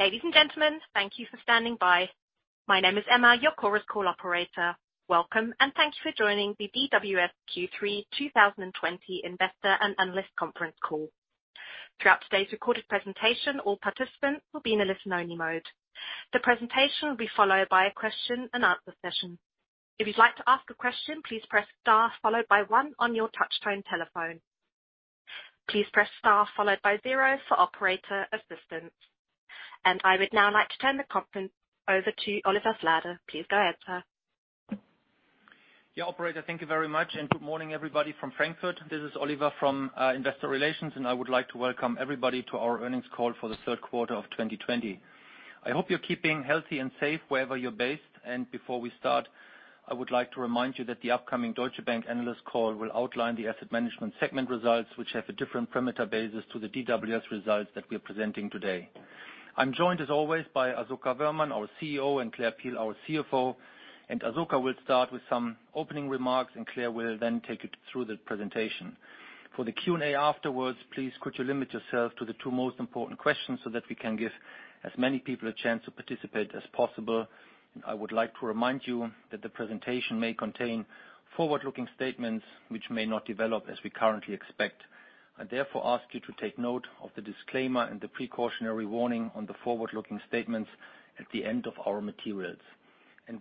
Ladies and gentlemen, thank you for standing by. My name is Emma, your Chorus Call operator. Welcome, and thank you for joining the DWS Q3 2020 Investor and Analyst Conference Call. Throughout today's recorded presentation, all participants will be in a listen-only mode. The presentation will be followed by a question and answer session. If you'd like to ask a question, please press star followed by one on your touchtone telephone. Please press star followed by zero for operator assistance. I would now like to turn the conference over to Oliver Flade. Please go ahead, sir. Operator, thank you very much. Good morning, everybody from Frankfurt. This is Oliver from Investor Relations. I would like to welcome everybody to our earnings call for the third quarter of 2020. I hope you're keeping healthy and safe wherever you're based. Before we start, I would like to remind you that the upcoming Deutsche Bank analyst call will outline the asset management segment results, which have a different parameter basis to the DWS results that we're presenting today. I'm joined as always by Asoka Woehrmann, our CEO, and Claire Peel, our CFO. Asoka will start with some opening remarks. Claire will then take you through the presentation. For the Q&A afterwards, please could you limit yourself to the two most important questions so that we can give as many people a chance to participate as possible. I would like to remind you that the presentation may contain forward-looking statements which may not develop as we currently expect. I, therefore, ask you to take note of the disclaimer and the precautionary warning on the forward-looking statements at the end of our materials.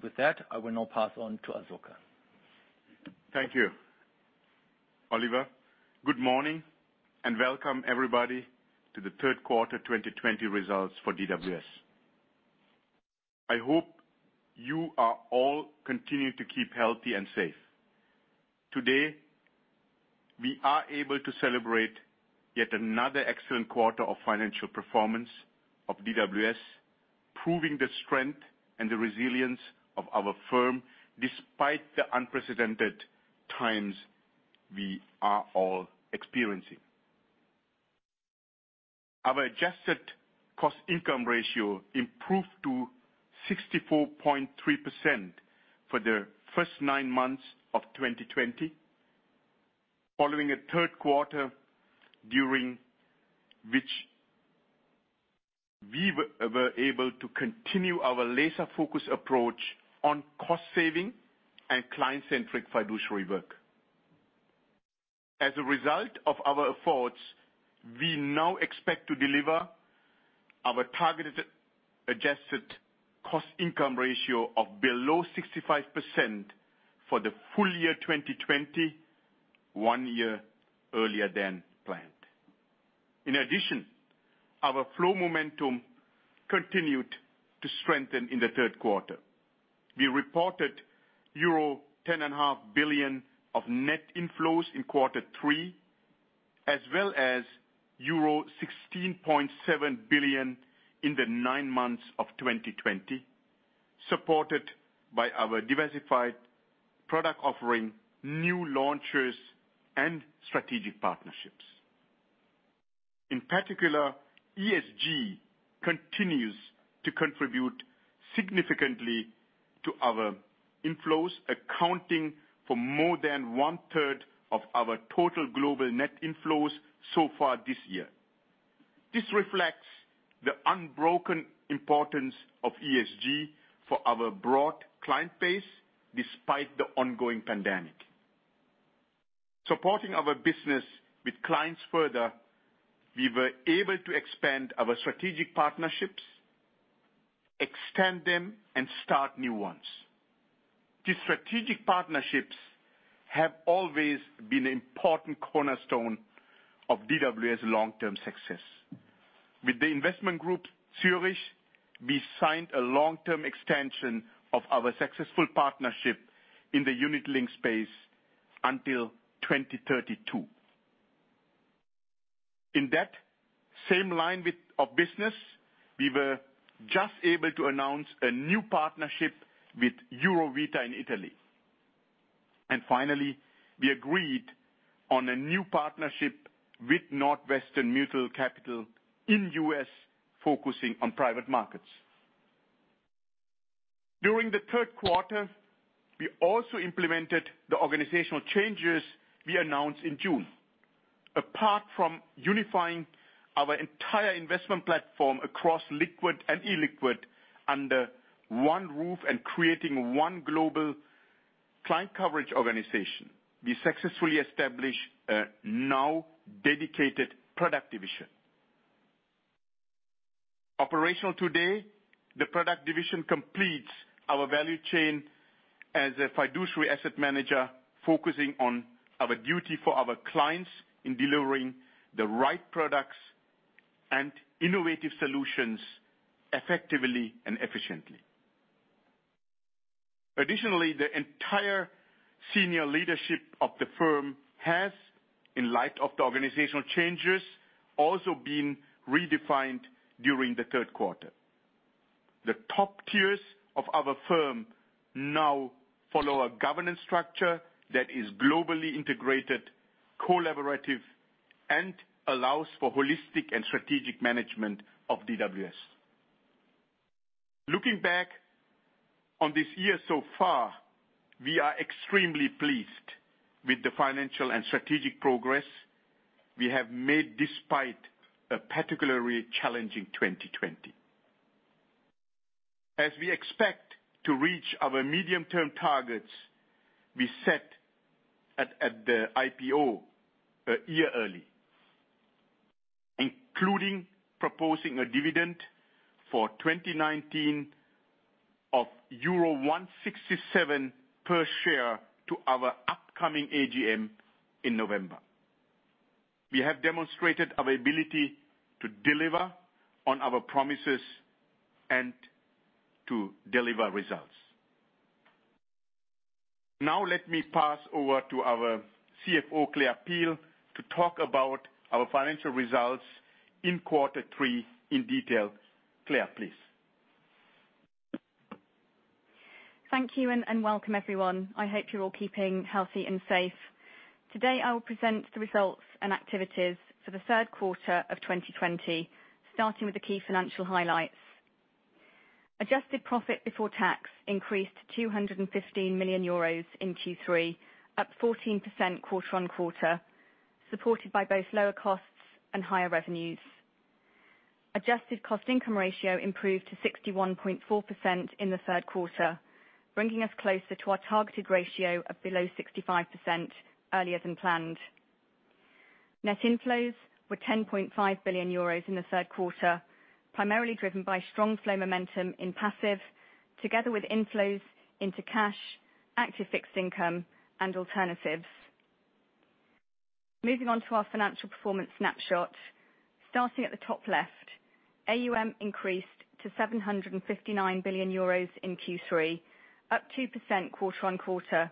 With that, I will now pass on to Asoka. Thank you. Oliver. Good morning, and welcome everybody to the third quarter 2020 results for DWS. I hope you are all continuing to keep healthy and safe. Today, we are able to celebrate yet another excellent quarter of financial performance of DWS, proving the strength and the resilience of our firm despite the unprecedented times we are all experiencing. Our adjusted cost income ratio improved to 64.3% for the first nine months of 2020, following a third quarter during which we were able to continue our laser-focused approach on cost saving and client-centric fiduciary work. As a result of our efforts, we now expect to deliver our targeted adjusted cost income ratio of below 65% for the full year 2020, one year earlier than planned. Our flow momentum continued to strengthen in the third quarter. We reported euro 10.5 billion of net inflows in quarter three, as well as euro 16.7 billion in the nine months of 2020, supported by our diversified product offering, new launches, and strategic partnerships. In particular, ESG continues to contribute significantly to our inflows, accounting for more than one-third of our total global net inflows so far this year. This reflects the unbroken importance of ESG for our broad client base despite the ongoing pandemic. Supporting our business with clients further, we were able to expand our strategic partnerships, extend them, and start new ones. These strategic partnerships have always been an important cornerstone of DWS long-term success. With the investment group Zurich, we signed a long-term extension of our successful partnership in the unit-linked space until 2032. In that same line of business, we were just able to announce a new partnership with Eurovita in Italy. Finally, we agreed on a new partnership with Northwestern Mutual Capital in U.S., focusing on private markets. During the third quarter, we also implemented the organizational changes we announced in June. Apart from unifying our entire investment platform across liquid and illiquid under one roof and creating one global client coverage organization, we successfully established a now dedicated product division. Operational today, the product division completes our value chain as a fiduciary asset manager, focusing on our duty for our clients in delivering the right products and innovative solutions effectively and efficiently. Additionally, the entire senior leadership of the firm has, in light of the organizational changes, also been redefined during the third quarter. The top tiers of our firm now follow a governance structure that is globally integrated, collaborative, and allows for holistic and strategic management of DWS. Looking back on this year so far, we are extremely pleased with the financial and strategic progress we have made despite a particularly challenging 2020. As we expect to reach our medium-term targets, we set at the IPO a year early, including proposing a dividend for 2019 of euro 1.67 per share to our upcoming AGM in November. We have demonstrated our ability to deliver on our promises and to deliver results. Now let me pass over to our CFO, Claire Peel, to talk about our financial results in quarter three in detail. Claire, please. Thank you. Welcome, everyone. I hope you're all keeping healthy and safe. Today, I will present the results and activities for the third quarter of 2020, starting with the key financial highlights. Adjusted profit before tax increased to 215 million euros in Q3, up 14% quarter-on-quarter, supported by both lower costs and higher revenues. Adjusted cost-income ratio improved to 61.4% in the third quarter, bringing us closer to our targeted ratio of below 65% earlier than planned. Net inflows were 10.5 billion euros in the third quarter, primarily driven by strong flow momentum in passive, together with inflows into cash, active fixed income, and alternatives. Moving on to our financial performance snapshot. Starting at the top left, AUM increased to 759 billion euros in Q3, up 2% quarter-on-quarter,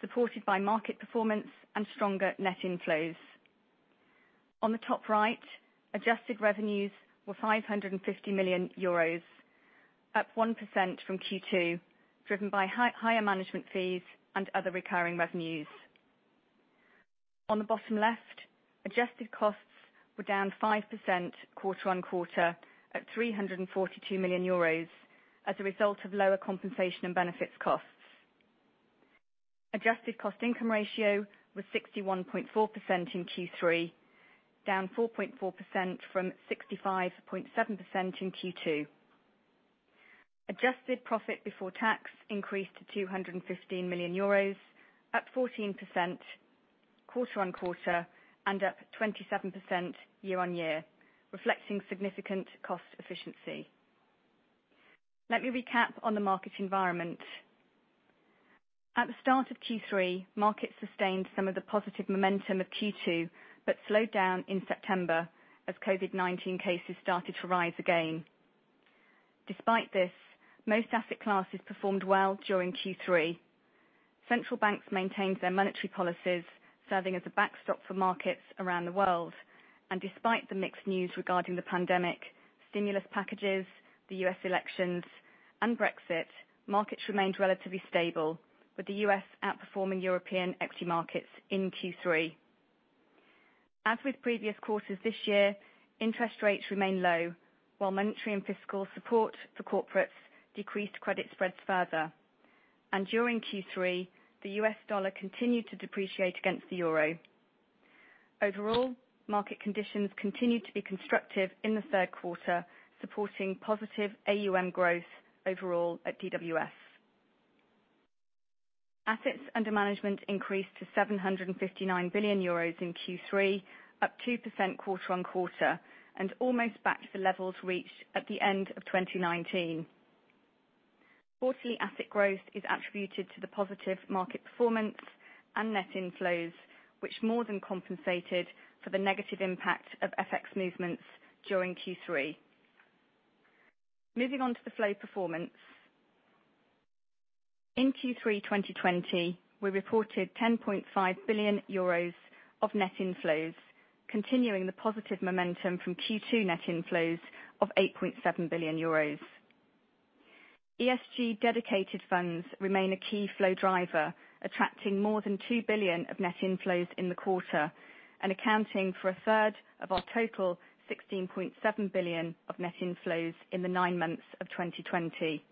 supported by market performance and stronger net inflows. On the top right, adjusted revenues were 550 million euros, up 1% from Q2, driven by higher management fees and other recurring revenues. On the bottom left, adjusted costs were down 5% quarter-on-quarter at 342 million euros as a result of lower compensation and benefits costs. Adjusted cost-income ratio was 61.4% in Q3, down 4.4% from 65.7% in Q2. Adjusted profit before tax increased to EUR 215 million, up 14% quarter-on-quarter and up 27% year-on-year, reflecting significant cost efficiency. Let me recap on the market environment. At the start of Q3, markets sustained some of the positive momentum of Q2 but slowed down in September as COVID-19 cases started to rise again. Despite this, most asset classes performed well during Q3. Central banks maintained their monetary policies, serving as a backstop for markets around the world. Despite the mixed news regarding the pandemic, stimulus packages, the U.S. elections, and Brexit, markets remained relatively stable, with the U.S. outperforming European equity markets in Q3. As with previous quarters this year, interest rates remain low. While monetary and fiscal support for corporates decreased credit spreads further. During Q3, the U.S. dollar continued to depreciate against the EUR. Overall, market conditions continued to be constructive in the third quarter, supporting positive AUM growth overall at DWS. Assets under management increased to 759 billion euros in Q3, up 2% quarter-on-quarter, and almost back to the levels reached at the end of 2019. Quarterly asset growth is attributed to the positive market performance and net inflows, which more than compensated for the negative impact of FX movements during Q3. Moving on to the flow performance. In Q3 2020, we reported 10.5 billion euros of net inflows, continuing the positive momentum from Q2 net inflows of 8.7 billion euros. ESG dedicated funds remain a key flow driver, attracting more than 2 billion of net inflows in the quarter and accounting for a third of our total 16.7 billion of net inflows in the nine months of 2020.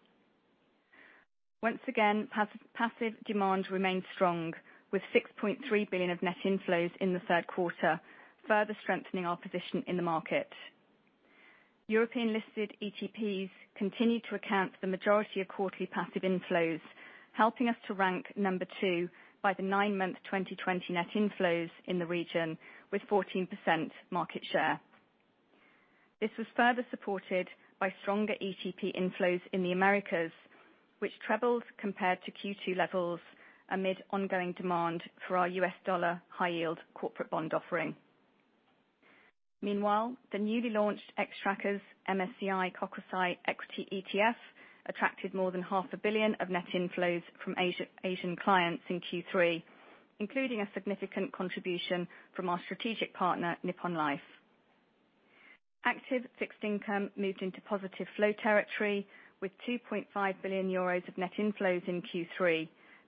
Once again, passive demand remained strong with 6.3 billion of net inflows in the third quarter, further strengthening our position in the market. European listed ETPs continued to account for the majority of quarterly passive inflows, helping us to rank number 2 by the nine-month 2020 net inflows in the region with 14% market share. This was further supported by stronger ETP inflows in the Americas, which trebled compared to Q2 levels amid ongoing demand for our U.S. dollar high yield corporate bond offering. Meanwhile, the newly launched Xtrackers MSCI Kokusai Equity ETF attracted more than half a billion of net inflows from Asian clients in Q3, including a significant contribution from our strategic partner, Nippon Life. Active fixed income moved into positive flow territory with 2.5 billion euros of net inflows in Q3,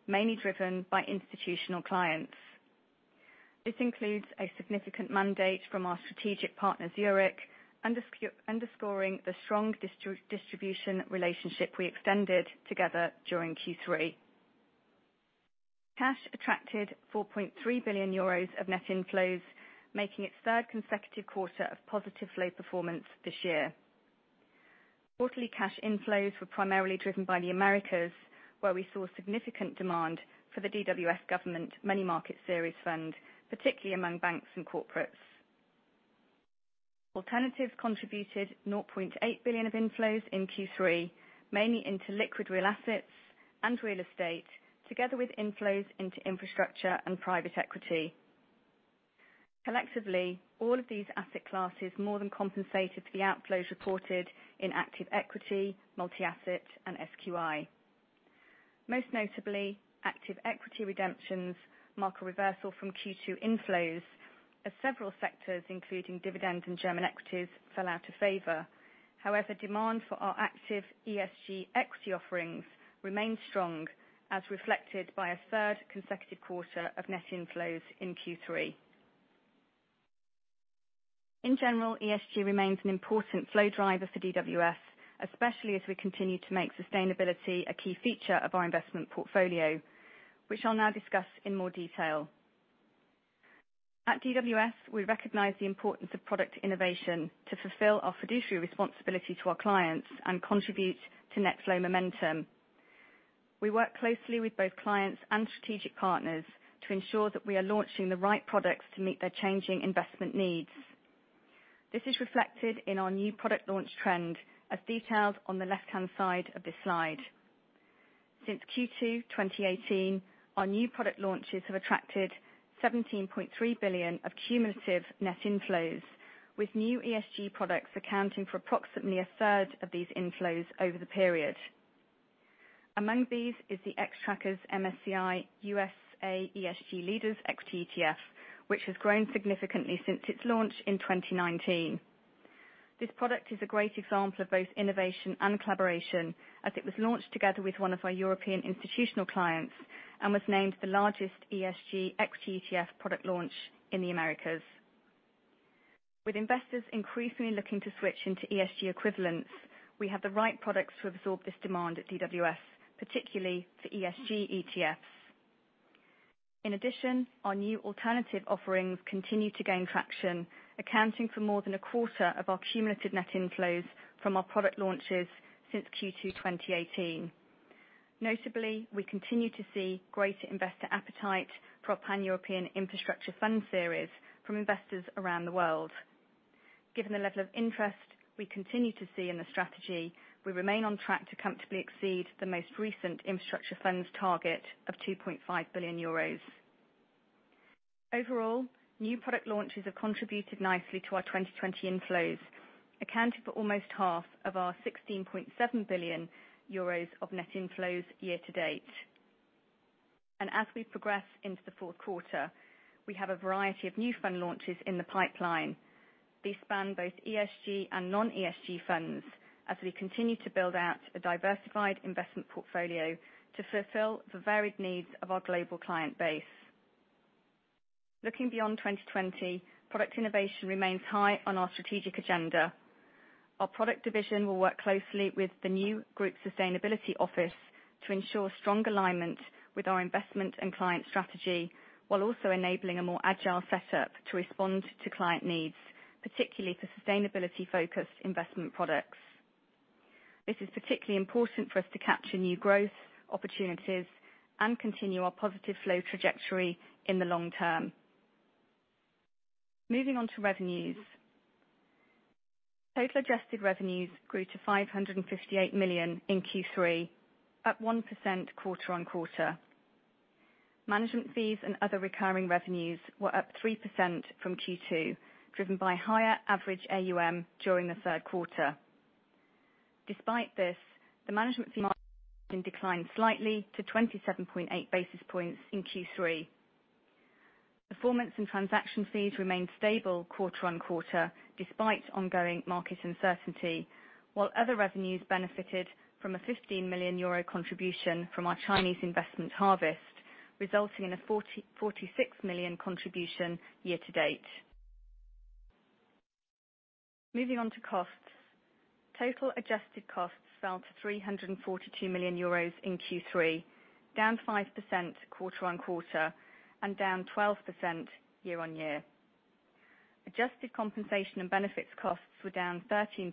mainly driven by institutional clients. This includes a significant mandate from our strategic partner, Zurich, underscoring the strong distribution relationship we extended together during Q3. Cash attracted 4.3 billion euros of net inflows, making it third consecutive quarter of positive flow performance this year. Quarterly cash inflows were primarily driven by the Americas, where we saw significant demand for the DWS Government Money Market Series fund, particularly among banks and corporates. Alternatives contributed 0.8 billion of inflows in Q3, mainly into liquid real assets and real estate, together with inflows into infrastructure and private equity. Collectively, all of these asset classes more than compensated for the outflows reported in active equity, multi-asset and SQI. Most notably, active equity redemptions mark a reversal from Q2 inflows as several sectors, including dividend and German equities, fell out of favor. However, demand for our active ESG equity offerings remained strong, as reflected by a third consecutive quarter of net inflows in Q3. In general, ESG remains an important flow driver for DWS, especially as we continue to make sustainability a key feature of our investment portfolio, which I'll now discuss in more detail. At DWS, we recognize the importance of product innovation to fulfill our fiduciary responsibility to our clients and contribute to net flow momentum. We work closely with both clients and strategic partners to ensure that we are launching the right products to meet their changing investment needs. This is reflected in our new product launch trend, as detailed on the left-hand side of this slide. Since Q2 2018, our new product launches have attracted 17.3 billion of cumulative net inflows, with new ESG products accounting for approximately a third of these inflows over the period. Among these is the Xtrackers MSCI USA ESG Leaders Equity ETF, which has grown significantly since its launch in 2019. This product is a great example of both innovation and collaboration, as it was launched together with one of our European institutional clients and was named the largest ESG equity ETF product launch in the Americas. With investors increasingly looking to switch into ESG equivalents, we have the right products to absorb this demand at DWS, particularly for ESG ETFs. In addition, our new alternative offerings continue to gain traction, accounting for more than 1/4 of our cumulative net inflows from our product launches since Q2 2018. Notably, we continue to see greater investor appetite for our Pan European Infrastructure Fund series from investors around the world. Given the level of interest we continue to see in the strategy, we remain on track to comfortably exceed the most recent infrastructure fund's target of EUR 2.5 billion. Overall, new product launches have contributed nicely to our 2020 inflows, accounting for almost half of our 16.7 billion euros of net inflows year to date. As we progress into the fourth quarter, we have a variety of new fund launches in the pipeline. These span both ESG and non-ESG funds as we continue to build out a diversified investment portfolio to fulfill the varied needs of our global client base. Looking beyond 2020, product innovation remains high on our strategic agenda. Our product division will work closely with the new group sustainability office to ensure strong alignment with our investment and client strategy, while also enabling a more agile setup to respond to client needs, particularly for sustainability-focused investment products. This is particularly important for us to capture new growth opportunities and continue our positive flow trajectory in the long term. Moving on to revenues. Total adjusted revenues grew to 558 million in Q3, up 1% quarter-on-quarter. Management fees and other recurring revenues were up 3% from Q2, driven by higher average AUM during the third quarter. Despite this, the management fee margin declined slightly to 27.8 basis points in Q3. Performance and transaction fees remained stable quarter on quarter despite ongoing market uncertainty, while other revenues benefited from a 15 million euro contribution from our Chinese investment Harvest, resulting in a 46 million contribution year to date. Moving on to costs. Total adjusted costs fell to 342 million euros in Q3, down 5% quarter-on-quarter and down 12% year-on-year. Adjusted compensation and benefits costs were down 13%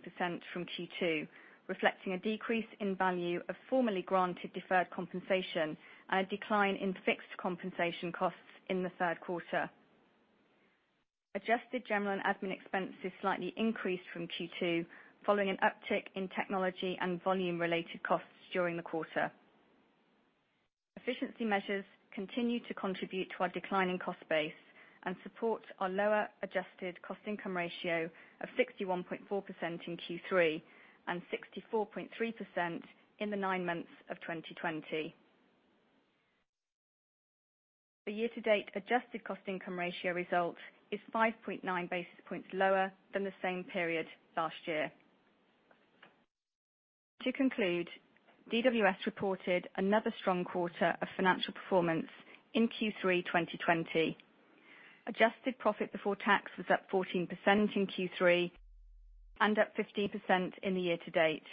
from Q2, reflecting a decrease in value of formerly granted deferred compensation and a decline in fixed compensation costs in the third quarter. Adjusted general and admin expenses slightly increased from Q2, following an uptick in technology and volume-related costs during the quarter. Efficiency measures continue to contribute to our declining cost base and support our lower adjusted cost income ratio of 61.4% in Q3 and 64.3% in the nine months of 2020. The year-to-date adjusted cost income ratio result is 5.9 basis points lower than the same period last year. To conclude, DWS reported another strong quarter of financial performance in Q3 2020. Adjusted profit before tax was up 14% in Q3 and up 15% in the year-to-date.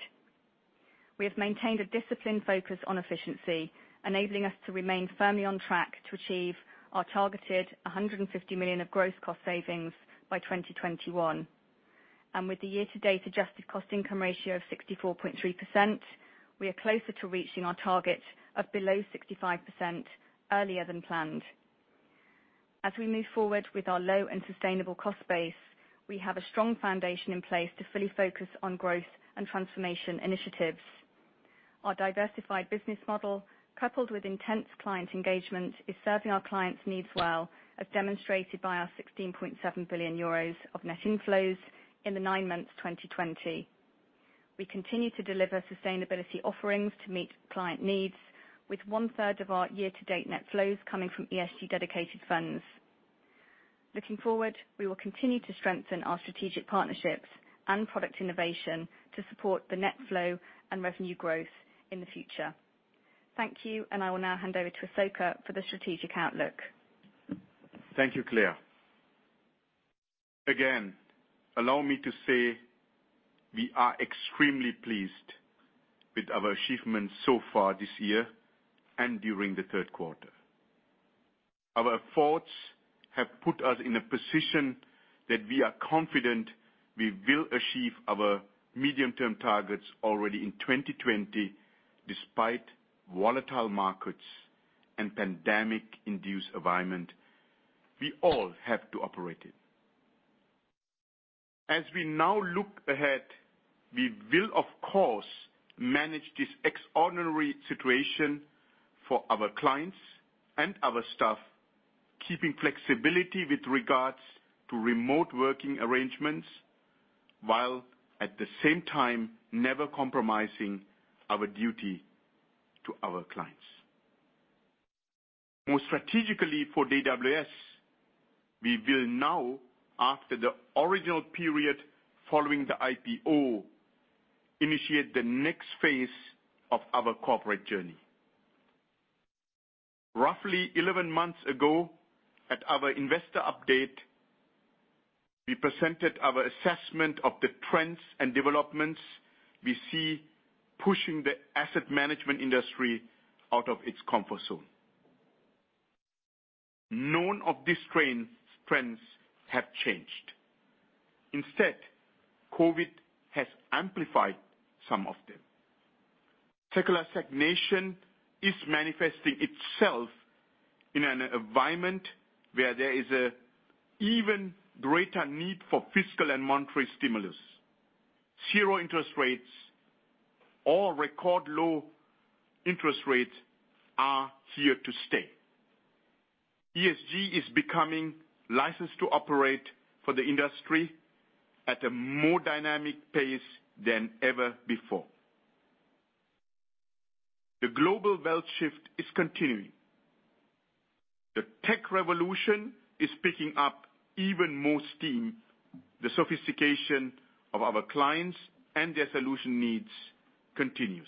We have maintained a disciplined focus on efficiency, enabling us to remain firmly on track to achieve our targeted 150 million of gross cost savings by 2021. With the year-to-date adjusted cost income ratio of 64.3%, we are closer to reaching our target of below 65% earlier than planned. As we move forward with our low and sustainable cost base, we have a strong foundation in place to fully focus on growth and transformation initiatives. Our diversified business model, coupled with intense client engagement, is serving our clients' needs well, as demonstrated by our 16.7 billion euros of net inflows in the nine months 2020. We continue to deliver sustainability offerings to meet client needs with one-third of our year to date net flows coming from ESG dedicated funds. Looking forward, we will continue to strengthen our strategic partnerships and product innovation to support the net flow and revenue growth in the future. Thank you, and I will now hand over to Asoka for the strategic outlook. Thank you, Claire. Again, allow me to say we are extremely pleased with our achievements so far this year and during the third quarter. Our efforts have put us in a position that we are confident we will achieve our medium-term targets already in 2020, despite volatile markets and pandemic-induced environment we all have to operate in. We now look ahead, we will of course manage this extraordinary situation for our clients and our staff, keeping flexibility with regards to remote working arrangements, while at the same time never compromising our duty to our clients. More strategically for DWS, we will now, after the original period following the IPO, initiate the next phase of our corporate journey. Roughly 11 months ago at our investor update, we presented our assessment of the trends and developments we see pushing the asset management industry out of its comfort zone. None of these trends have changed. Instead, COVID has amplified some of them. Secular stagnation is manifesting itself in an environment where there is an even greater need for fiscal and monetary stimulus. Zero interest rates or record low interest rates are here to stay. ESG is becoming licensed to operate for the industry at a more dynamic pace than ever before. The global wealth shift is continuing. The tech revolution is picking up even more steam. The sophistication of our clients and their solution needs continues.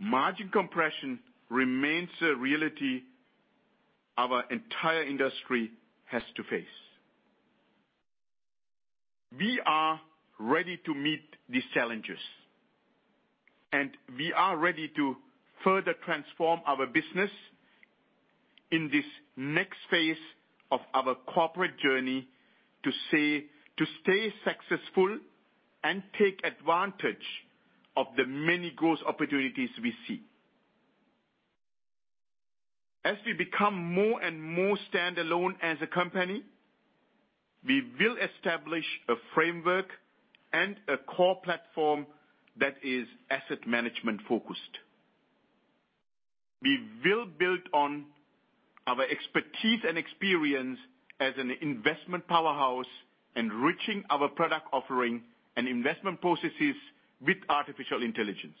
Margin compression remains a reality our entire industry has to face. We are ready to meet these challenges, and we are ready to further transform our business in this next phase of our corporate journey to stay successful and take advantage of the many growth opportunities we see. As we become more and more standalone as a company, we will establish a framework and a core platform that is asset management focused. We will build on our expertise and experience as an investment powerhouse, enriching our product offering and investment processes with artificial intelligence.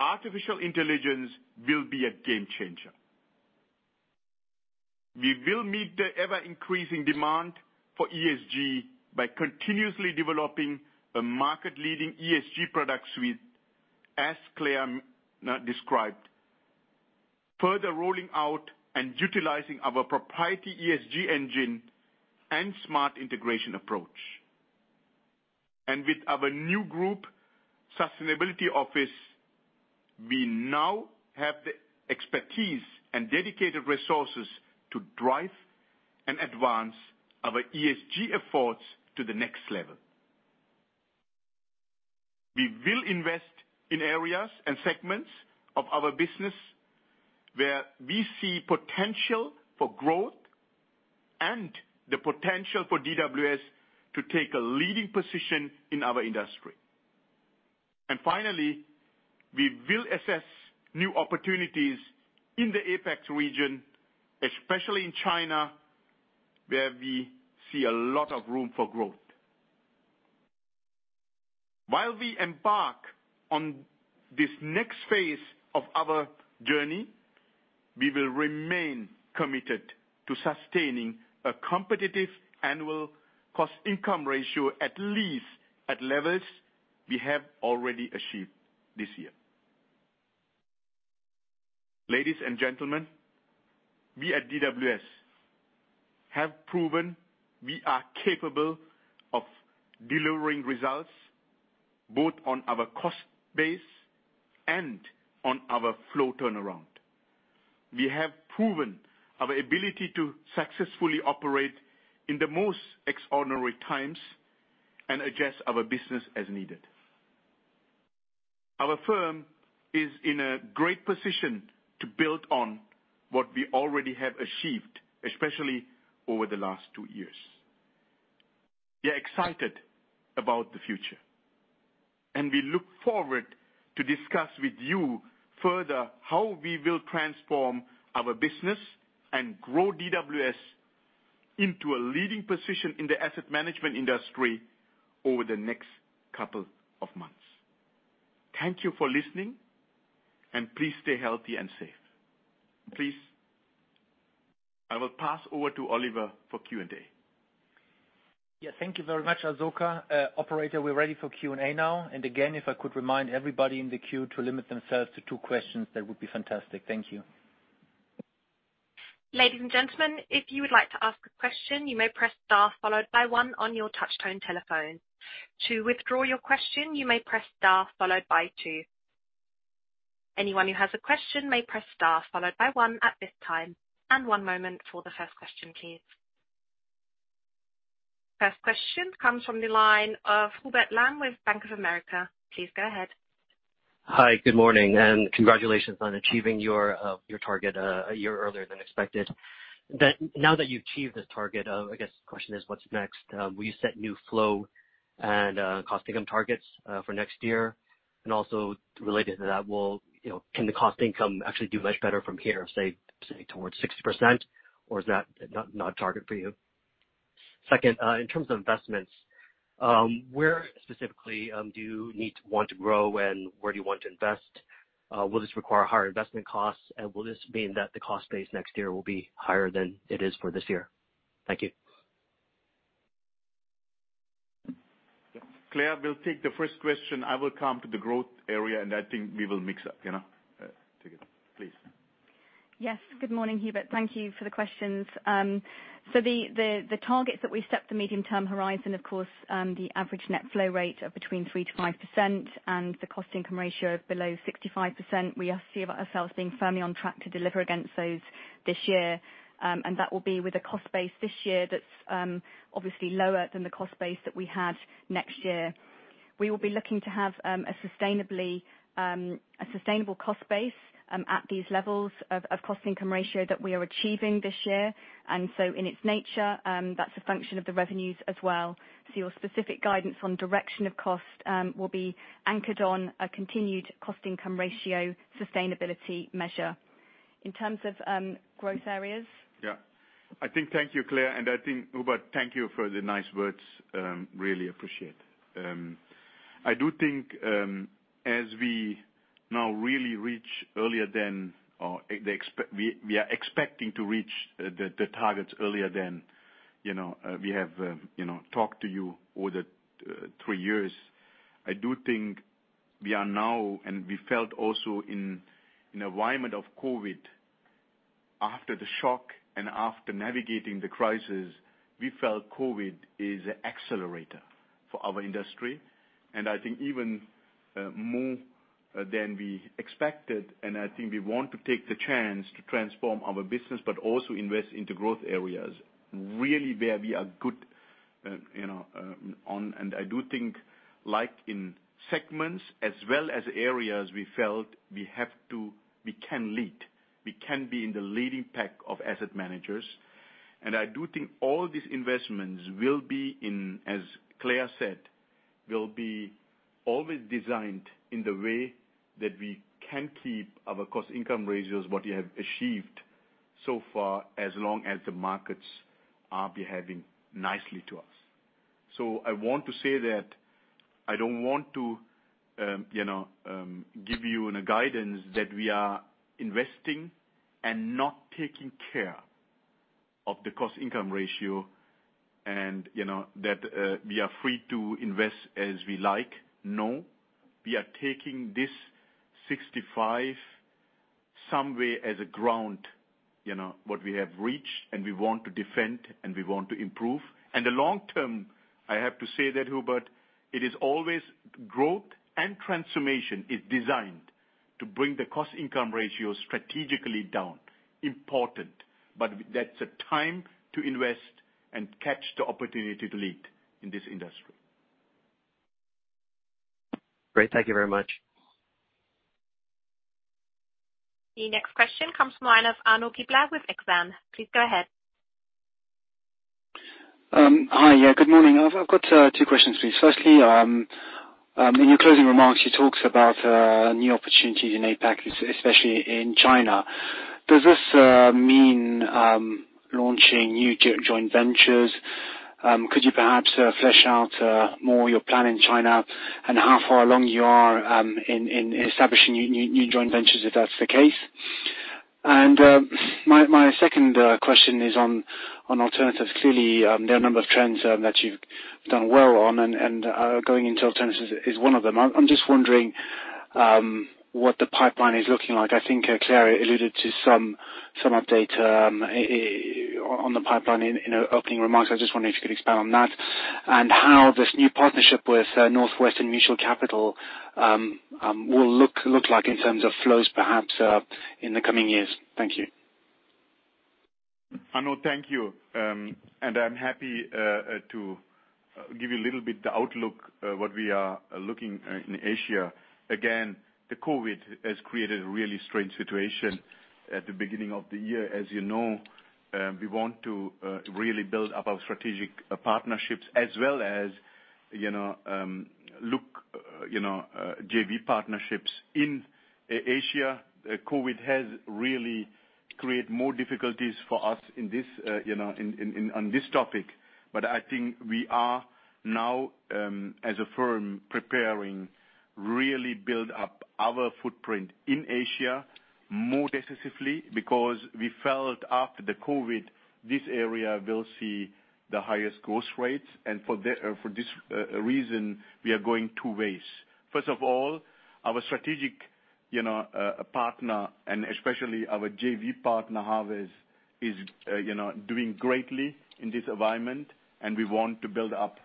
Artificial intelligence will be a game changer. We will meet the ever-increasing demand for ESG by continuously developing a market leading ESG product suite, as Claire described, further rolling out and utilizing our proprietary ESG engine and smart integration approach. With our new group sustainability office, we now have the expertise and dedicated resources to drive and advance our ESG efforts to the next level. We will invest in areas and segments of our business where we see potential for growth and the potential for DWS to take a leading position in our industry. Finally, we will assess new opportunities in the APAC region, especially in China, where we see a lot of room for growth. While we embark on this next phase of our journey, we will remain committed to sustaining a competitive annual cost income ratio, at least at levels we have already achieved this year. Ladies and gentlemen, we at DWS have proven we are capable of delivering results both on our cost base and on our flow turnaround. We have proven our ability to successfully operate in the most extraordinary times and adjust our business as needed. Our firm is in a great position to build on what we already have achieved, especially over the last two years. We are excited about the future. We look forward to discuss with you further how we will transform our business and grow DWS into a leading position in the asset management industry over the next couple of months. Thank you for listening. Please stay healthy and safe. Please, I will pass over to Oliver for Q&A. Yeah. Thank you very much, Asoka. Operator, we're ready for Q&A now. Again, if I could remind everybody in the queue to limit themselves to two questions, that would be fantastic. Thank you. Ladies and gentlemen, if you would like to ask a question, you may press star followed by one on your touch tone telephone. To withdraw your question, you may press star followed by two. Anyone who has a question may press star followed by one at this time and one moment for the first question please. First question comes from the line of Hubert Lam with Bank of America. Please go ahead. Hi. Good morning, and congratulations on achieving your target a year earlier than expected. Now that you've achieved this target, I guess the question is, what's next? Will you set new flow and cost income targets for next year? Also related to that, can the cost income actually do much better from here, say, towards 60%, or is that not a target for you? Second, in terms of investments, where specifically do you need to want to grow and where do you want to invest? Will this require higher investment costs? Will this mean that the cost base next year will be higher than it is for this year? Thank you. Claire will take the first question. I will come to the growth area, and I think we will mix up. Take it, please. Yes. Good morning, Hubert. Thank you for the questions. The targets that we set the medium-term horizon, of course, the average net flow rate of between 3%-5% and the cost income ratio of below 65%, we see ourselves being firmly on track to deliver against those this year. That will be with a cost base this year that's obviously lower than the cost base that we had next year. We will be looking to have a sustainable cost base at these levels of cost income ratio that we are achieving this year. In its nature, that's a function of the revenues as well. Your specific guidance on direction of cost will be anchored on a continued cost income ratio sustainability measure. In terms of growth areas. Thank you, Claire, and I think, Hubert, thank you for the nice words. I really appreciate it. I do think as we now really reach earlier than we are expecting to reach the targets earlier than we have talked to you over the three years. I do think we are now, and we felt also in the environment of COVID, after the shock and after navigating the crisis, we felt COVID is an accelerator for our industry. I think even more than we expected, and I think we want to take the chance to transform our business, but also invest into growth areas, really where we are good on. I do think like in segments as well as areas we felt we can lead. We can be in the leading pack of asset managers. I do think all these investments will be in, as Claire said, will be always designed in the way that we can keep our cost-income ratios, what we have achieved so far, as long as the markets are behaving nicely to us. I want to say that I don't want to give you a guidance that we are investing and not taking care of the cost-income ratio, and that we are free to invest as we like. No. We are taking this 65% as a ground, what we have reached, and we want to defend, and we want to improve. The long term, I have to say that, Hubert, it is always growth and transformation is designed to bring the cost-income ratio strategically down. Important. That's a time to invest and catch the opportunity to lead in this industry. Great. Thank you very much. The next question comes from line of Arnaud Giblat with Exane. Please go ahead. Hi. Yeah, good morning. I've got two questions, please. Firstly, in your closing remarks, you talked about new opportunities in APAC, especially in China. Does this mean launching new joint ventures? Could you perhaps flesh out more your plan in China and how far along you are in establishing new joint ventures, if that's the case? My second question is on alternatives. Clearly, there are a number of trends that you've done well on, and going into alternatives is one of them. I'm just wondering what the pipeline is looking like. I think Claire alluded to some update on the pipeline in her opening remarks. I just wondered if you could expand on that, and how this new partnership with Northwestern Mutual Capital will look like in terms of flows, perhaps, in the coming years. Thank you. Arnaud, thank you. I'm happy to give you a little bit the outlook, what we are looking in Asia. Again, the COVID has created a really strange situation at the beginning of the year. As you know, we want to really build up our strategic partnerships as well as look JV partnerships in Asia. COVID has really create more difficulties for us on this topic. I think we are now, as a firm, preparing really build up our footprint in Asia more decisively because we felt after the COVID, this area will see the highest growth rates. For this reason, we are going two ways. First of all, our strategic partner, and especially our JV partner, Harvest, is doing greatly in this environment, and we want to build up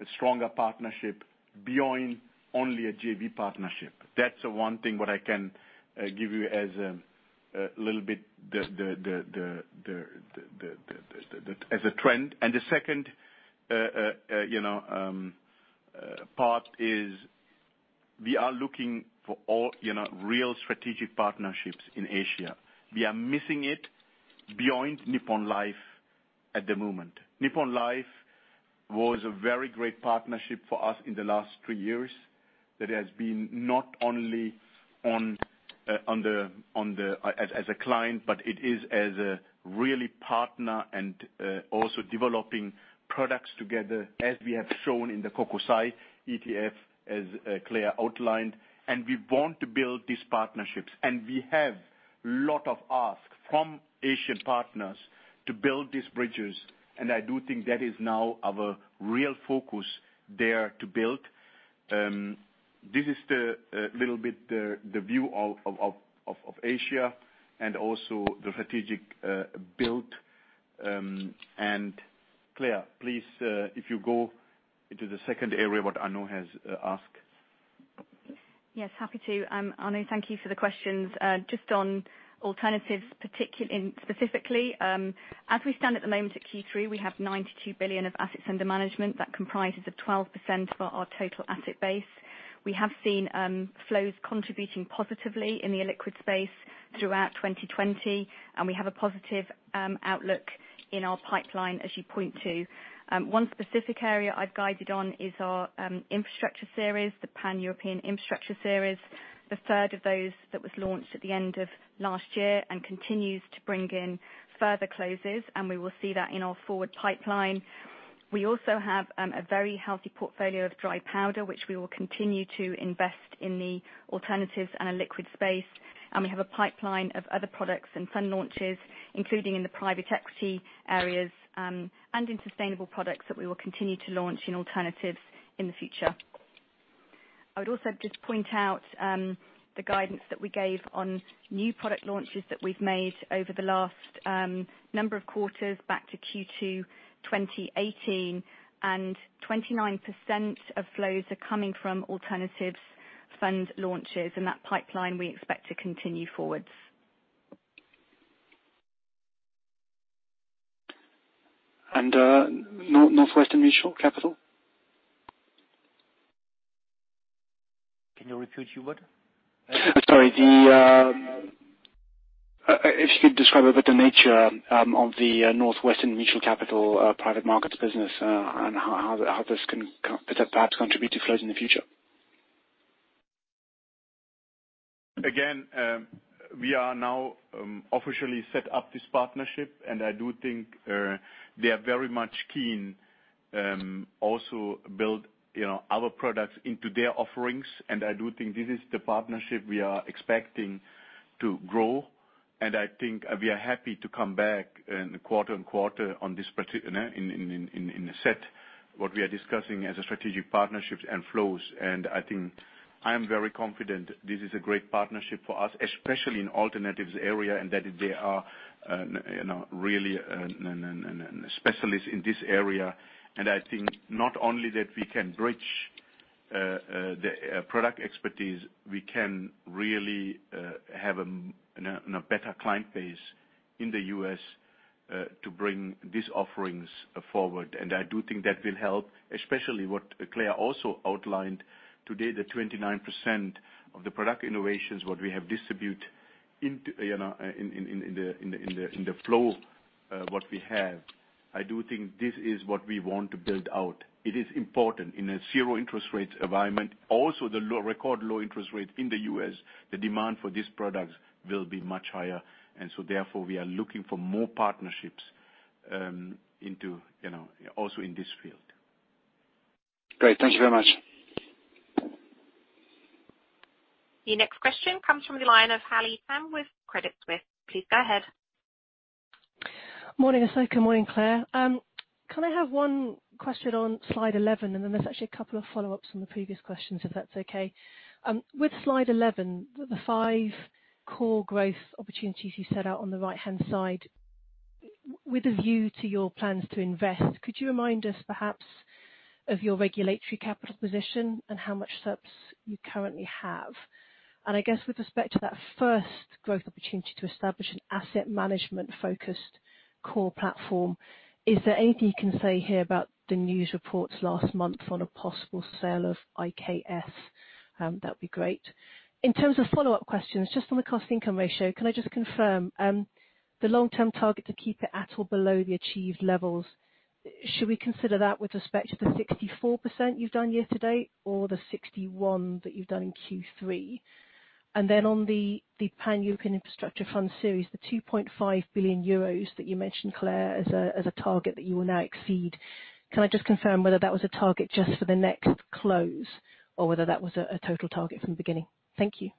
a stronger partnership beyond only a JV partnership. That's the one thing what I can give you as a little bit as a trend. The second part is we are looking for real strategic partnerships in Asia. We are missing it beyond Nippon Life at the moment. Nippon Life was a very great partnership for us in the last three years. That has been not only as a client, but it is as a really partner and also developing products together, as we have shown in the Kokusai ETF, as Claire outlined. We want to build these partnerships. We have lot of ask from Asian partners to build these bridges, and I do think that is now our real focus there to build. This is the little bit the view of Asia and also the strategic build. Claire, please, if you go into the second area what Arnaud has asked. Yes, happy to. Arnaud, thank you for the questions. Just on alternatives specifically, as we stand at the moment at Q3, we have 92 billion of assets under management. That comprises of 12% of our total asset base. We have seen flows contributing positively in the illiquid space throughout 2020. We have a positive outlook in our pipeline, as you point to. One specific area I've guided on is our Infrastructure series, the Pan-European Infrastructure series, the third of those that was launched at the end of last year and continues to bring in further closes. We will see that in our forward pipeline. We also have a very healthy portfolio of dry powder, which we will continue to invest in the alternatives and illiquid space. We have a pipeline of other products and fund launches, including in the private equity areas, and in sustainable products that we will continue to launch in alternatives in the future. I would also just point out the guidance that we gave on new product launches that we've made over the last number of quarters back to Q2 2018. 29% of flows are coming from alternatives fund launches. In that pipeline, we expect to continue forwards. Northwestern Mutual Capital? Can you repeat your what? Sorry. If you could describe a bit the nature of the Northwestern Mutual Capital private markets business, and how this can perhaps contribute to flows in the future. We are now officially set up this partnership. I do think they are very much keen also build our products into their offerings. I do think this is the partnership we are expecting to grow. I think we are happy to come back quarter on quarter in a set, what we are discussing as a strategic partnerships and flows. I think I am very confident this is a great partnership for us, especially in alternatives area, and that they are really a specialist in this area. I think not only that we can bridge the product expertise, we can really have a better client base in the U.S. to bring these offerings forward. I do think that will help, especially what Claire also outlined today, the 29% of the product innovations, what we have distribute in the flow. What we have. I do think this is what we want to build out. It is important in a zero interest rate environment, also the record low interest rate in the U.S., the demand for these products will be much higher, and so therefore we are looking for more partnerships also in this field. Great. Thank you very much. The next question comes from the line of Haley Tam with Credit Suisse. Please go ahead. Morning, Asoka, good morning, Claire. Can I have one question on slide 11? Then there's actually a couple of follow-ups from the previous questions, if that's okay. With slide 11, the five core growth opportunities you set out on the right-hand side. With a view to your plans to invest, could you remind us perhaps of your regulatory capital position and how much subs you currently have? I guess with respect to that first growth opportunity to establish an asset management-focused core platform, is there anything you can say here about the news reports last month on a possible sale of IKS? That'd be great. In terms of follow-up questions, just on the cost income ratio, can I just confirm, the long-term target to keep it at or below the achieved levels, should we consider that with respect to the 64% you've done year to date, or the 61 that you've done in Q3? On the Pan European Infrastructure Fund series, the 2.5 billion euros that you mentioned, Claire, as a target that you will now exceed. Can I just confirm whether that was a target just for the next close or whether that was a total target from the beginning? Thank you.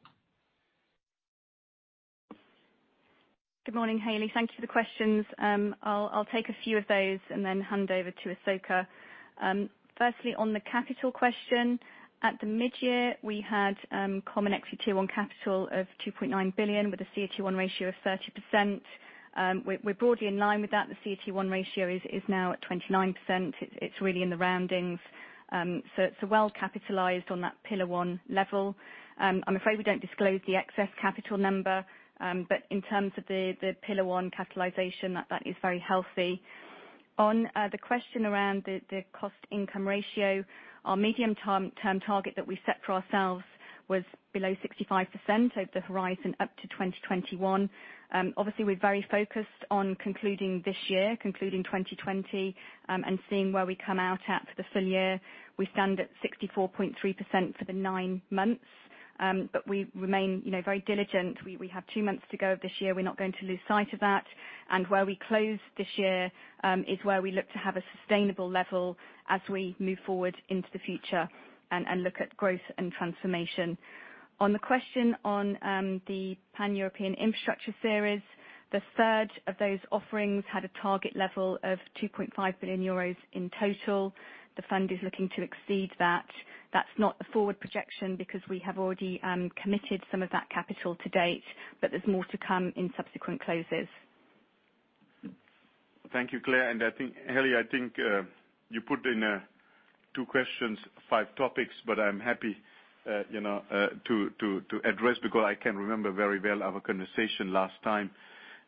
Good morning, Haley. Thank you for the questions. I'll take a few of those and then hand over to Asoka. Firstly, on the capital question, at the mid-year, we had common equity tier 1 capital of 2.9 billion with a CET1 ratio of 30%. We're broadly in line with that. The CET1 ratio is now at 29%. It's really in the roundings. It's well capitalized on that Pillar 1 level. I'm afraid we don't disclose the excess capital number. In terms of the Pillar 1 capitalization, that is very healthy. On the question around the cost-income ratio, our medium-term target that we set for ourselves was below 65% over the horizon up to 2021. Obviously, we're very focused on concluding this year, concluding 2020, and seeing where we come out at for the full year. We stand at 64.3% for the nine months. We remain very diligent. We have two months to go of this year. We're not going to lose sight of that. Where we close this year is where we look to have a sustainable level as we move forward into the future and look at growth and transformation. On the question on the Pan-European Infrastructure series, the third of those offerings had a target level of 2.5 billion euros in total. The fund is looking to exceed that. That's not a forward projection because we have already committed some of that capital to date, but there's more to come in subsequent closes. Thank you, Claire. Haley, I think you put in two questions, five topics, but I'm happy to address because I can remember very well our conversation last time.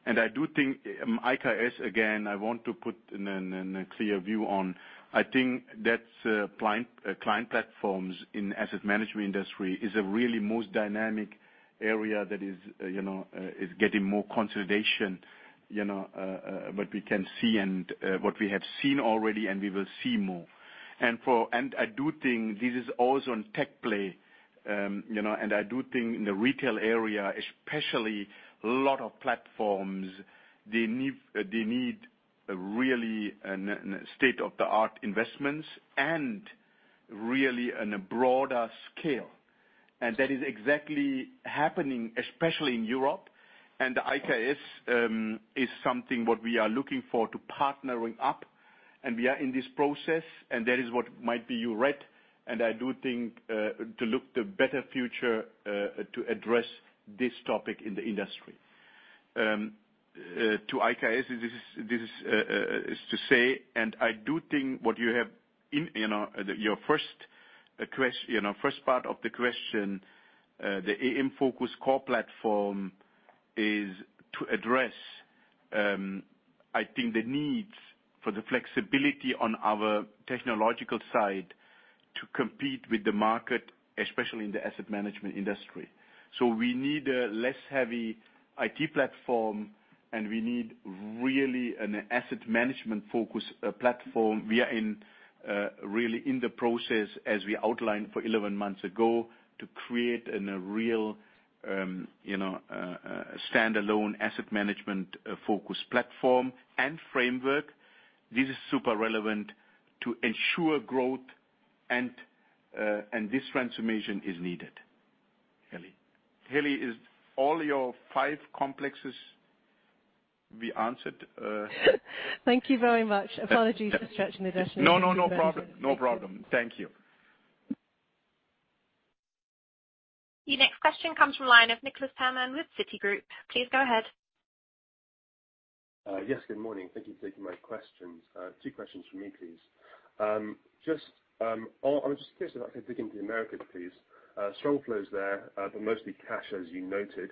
I do think IKS, again, I want to put in a clear view on. I think that client platforms in asset management industry is a really most dynamic area that is getting more consolidation, what we can see and what we have seen already, and we will see more. I do think this is also on tech play. I do think in the retail area, especially a lot of platforms, they need really state-of-the-art investments and really on a broader scale. That is exactly happening, especially in Europe. IKS is something what we are looking for to partnering up, and we are in this process, and that is what might be you read. I do think to look to better future to address this topic in the industry. To IKS is to say, and I do think what you have in your first part of the question, the AM focus core platform is to address, I think the needs for the flexibility on our technological side to compete with the market, especially in the asset management industry. We need a less heavy IT platform, and we need really an asset management focus platform. We are really in the process, as we outlined for 11 months ago, to create a real standalone asset management focus platform and framework. This is super relevant to ensure growth, and this transformation is needed. Haley. Haley, is all your five complexes we answered? Thank you very much. Apologies for stretching the definition. No, no problem. Thank you. Your next question comes from the line of Nicholas Herman with Citigroup. Please go ahead. Yes, good morning. Thank you for taking my questions. Two questions from me, please. I was just curious if I could dig into the Americas, please. Strong flows there, but mostly cash, as you noted.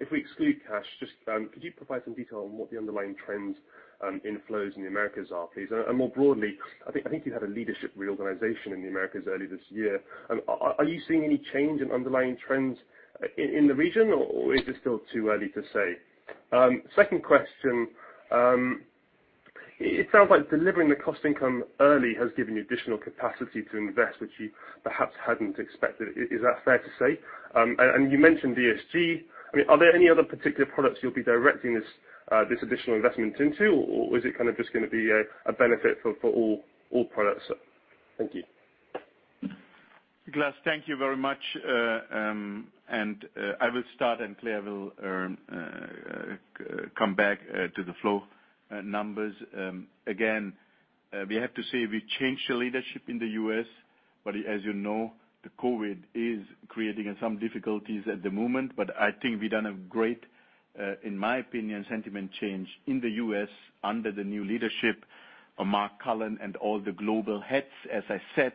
If we exclude cash, just could you provide some detail on what the underlying trends inflows in the Americas are, please? More broadly, I think you had a leadership reorganization in the Americas early this year. Are you seeing any change in underlying trends in the region, or is it still too early to say? Second question. It sounds like delivering the cost income early has given you additional capacity to invest, which you perhaps hadn't expected. Is that fair to say? You mentioned ESG. Are there any other particular products you'll be directing this additional investment into, or is it just going to be a benefit for all products? Thank you. Nicholas, thank you very much. I will start, Claire will come back to the flow numbers. Again, we have to say, we changed the leadership in the U.S., as you know, the COVID is creating some difficulties at the moment. I think we've done a great, in my opinion, sentiment change in the U.S. under the new leadership of Mark Cullen and all the global heads. As I said,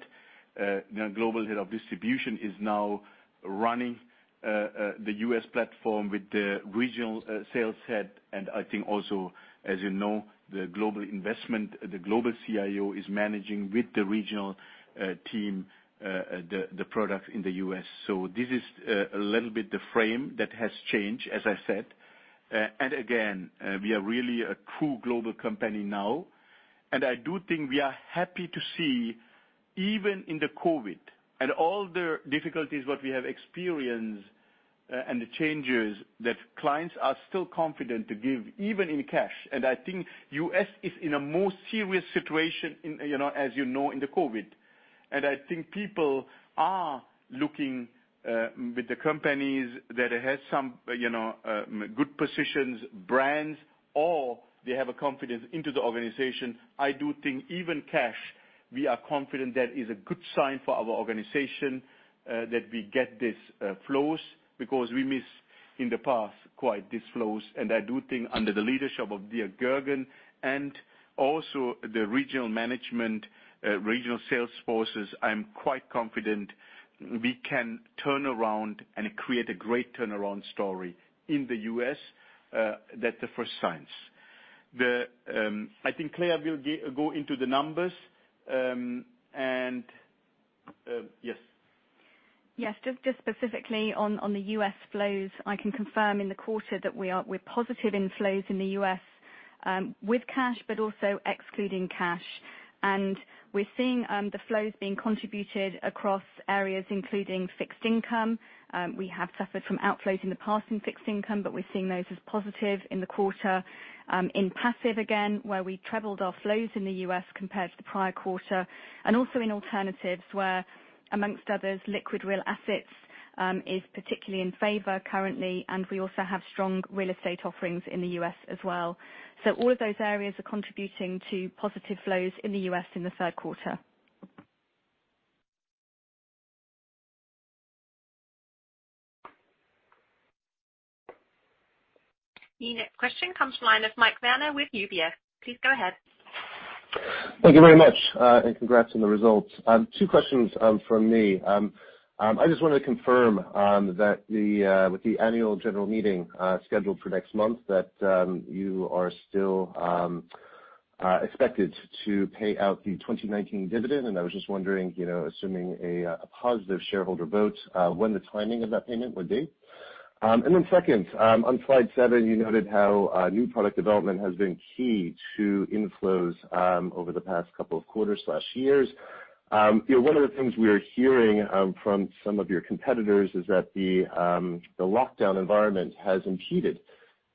global head of distribution is now running the U.S. platform with the regional sales head. I think also, as you know, the global investment, the global CIO is managing with the regional team, the product in the U.S. This is a little bit the frame that has changed, as I said. Again, we are really a true global company now, and I do think we are happy to see, even in the COVID and all the difficulties that we have experienced and the changes, that clients are still confident to give, even in cash. I think U.S. is in a more serious situation, as you know, in the COVID. I think people are looking with the companies that has some good positions, brands, or they have a confidence into the organization. I do think even cash, we are confident that is a good sign for our organization that we get these flows because we miss in the past quite these flows. I do think under the leadership of Dirk Goergen and also the regional management, regional sales forces, I'm quite confident we can turn around and create a great turnaround story in the U.S. I think Claire will go into the numbers. Yes. Yes. Just specifically on the U.S. flows, I can confirm in the quarter that we're positive in flows in the U.S. with cash, but also excluding cash. We're seeing the flows being contributed across areas including fixed income. We have suffered from outflows in the past in fixed income, but we're seeing those as positive in the quarter. In passive, again, where we trebled our flows in the U.S. compared to the prior quarter, and also in alternatives, where, amongst others, liquid real assets is particularly in favor currently. We also have strong real estate offerings in the U.S. as well. All of those areas are contributing to positive flows in the U.S. in the third quarter. The next question comes from the line of Mike Werner with UBS. Please go ahead. Thank you very much. Congrats on the results. Two questions from me. I just want to confirm that with the annual general meeting scheduled for next month, that you are still expected to pay out the 2019 dividend. I was just wondering, assuming a positive shareholder vote, when the timing of that payment would be. Second, on slide seven, you noted how new product development has been key to inflows over the past couple of quarters/years. One of the things we're hearing from some of your competitors is that the lockdown environment has impeded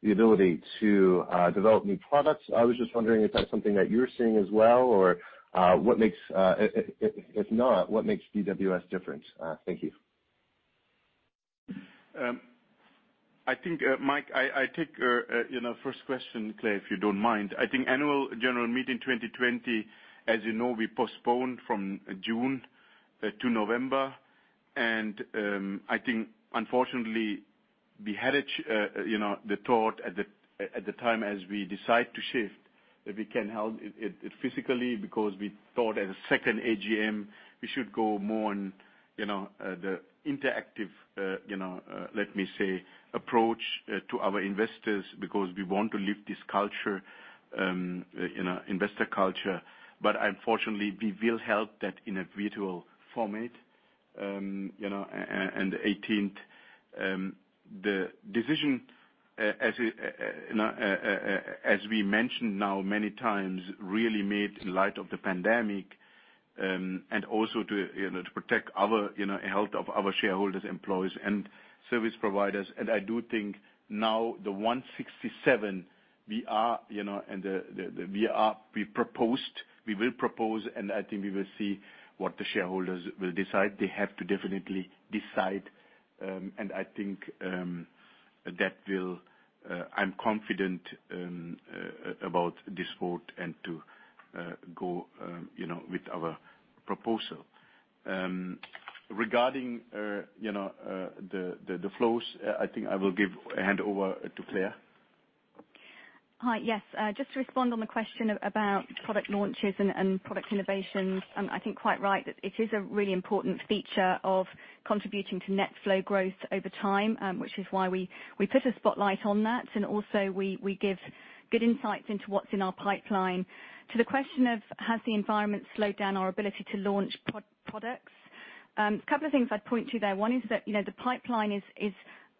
the ability to develop new products. I was just wondering if that's something that you're seeing as well, or if not, what makes DWS different? Thank you. Mike, I take first question, Claire, if you don't mind. I think annual general meeting 2020, as you know, we postponed from June to November. I think unfortunately we had the thought at the time as we decide to shift, that we can held it physically because we thought as a second AGM, we should go more on the interactive, let me say, approach to our investors because we want to live this investor culture. Unfortunately, we will held that in a virtual format, on the 18th. The decision, as we mentioned now many times, really made in light of the pandemic, and also to protect our health of our shareholders, employees and service providers. I do think now the 167 we proposed, we will propose, and I think we will see what the shareholders will decide. They have to definitely decide. I think I'm confident about this vote and to go with our proposal. Regarding the flows, I think I will hand over to Claire. Hi. Yes. Just to respond on the question about product launches and product innovations, I think quite right, that it is a really important feature of contributing to net flow growth over time, which is why we put a spotlight on that. Also, we give good insights into what's in our pipeline. To the question of has the environment slowed down our ability to launch products? A couple of things I'd point to there. One is that the pipeline is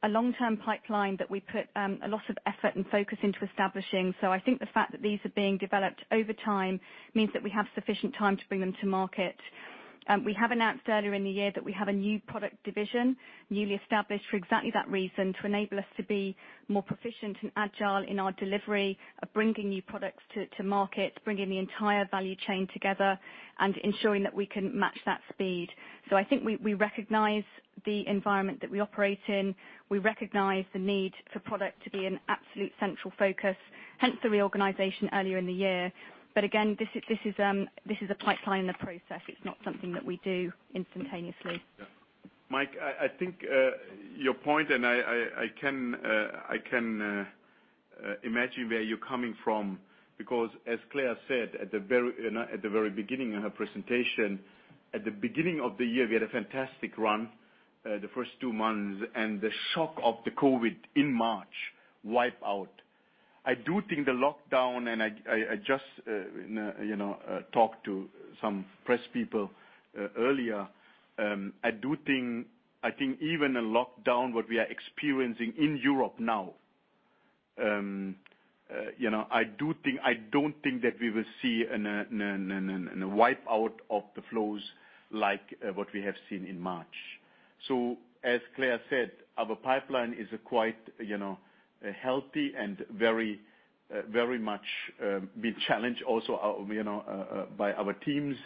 a long-term pipeline that we put a lot of effort and focus into establishing. I think the fact that these are being developed over time means that we have sufficient time to bring them to market. We have announced earlier in the year that we have a new product division, newly established for exactly that reason, to enable us to be more proficient and agile in our delivery of bringing new products to market, bringing the entire value chain together, and ensuring that we can match that speed. I think we recognize the environment that we operate in. We recognize the need for product to be an absolute central focus, hence the reorganization earlier in the year. Again, this is a pipeline, a process. It's not something that we do instantaneously. Mike, I think, your point and I can imagine where you're coming from because as Claire said at the very beginning of her presentation, at the beginning of the year, we had a fantastic run the first two months, and the shock of the COVID in March wiped out. I do think the lockdown, and I just talked to some press people earlier. I think even a lockdown, what we are experiencing in Europe now, I don't think that we will see a wipeout of the flows like what we have seen in March. As Claire said, our pipeline is quite healthy and very much being challenged also by our teams.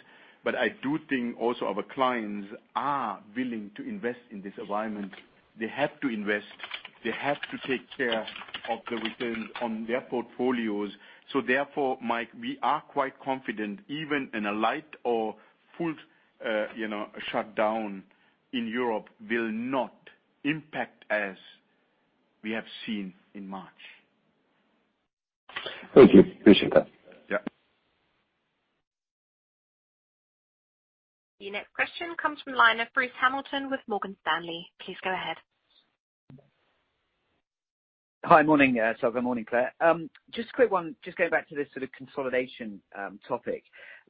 I do think also our clients are willing to invest in this environment. They have to invest. They have to take care of the returns on their portfolios. Therefore, Mike, we are quite confident even in a light or full shutdown in Europe will not impact as we have seen in March. Thank you. Appreciate that. Yeah. Your next question comes from the line of Bruce Hamilton with Morgan Stanley. Please go ahead. Hi. Morning, Asoka. Morning, Claire. Just a quick one. Just going back to this sort of consolidation topic.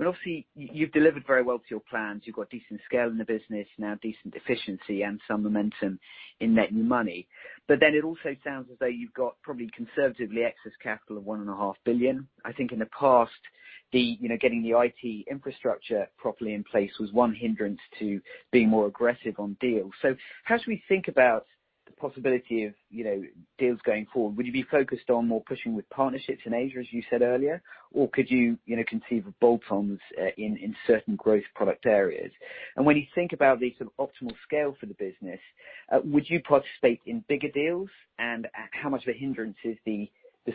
Obviously, you've delivered very well to your plans. You've got decent scale in the business now, decent efficiency, and some momentum in net new money. It also sounds as though you've got probably conservatively excess capital of 1.5 billion. I think in the past, getting the IT infrastructure properly in place was one hindrance to being more aggressive on deals. How should we think about the possibility of deals going forward? Would you be focused on more pushing with partnerships in Asia, as you said earlier, or could you conceive of bolt-ons in certain growth product areas? When you think about the sort of optimal scale for the business, would you participate in bigger deals? How much of a hindrance is the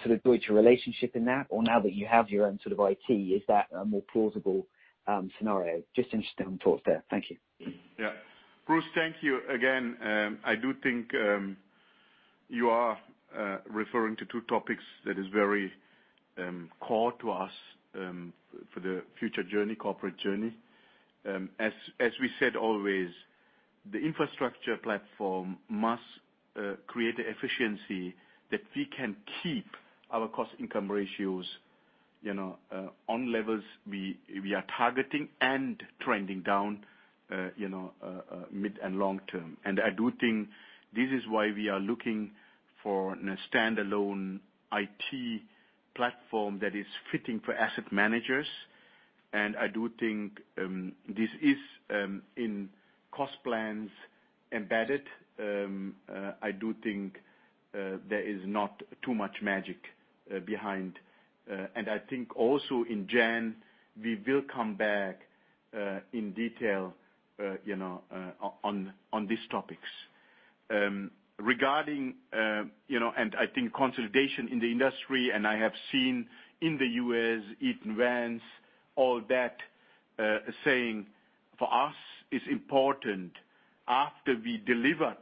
sort of Deutsche relationship in that, or now that you have your own sort of IT, is that a more plausible scenario? Just interested on thoughts there. Thank you. Bruce, thank you again. I do think you are referring to two topics that is very core to us for the future corporate journey. As we said always, the infrastructure platform must create efficiency that we can keep our cost-income ratios on levels we are targeting and trending down mid and long term. I do think this is why we are looking for a standalone IT platform that is fitting for asset managers. I do think this is in cost plans embedded. I do think there is not too much magic behind. I think also in January, we will come back in detail on these topics. I think consolidation in the industry, and I have seen in the U.S., it advance all that saying, for us, it's important after we delivered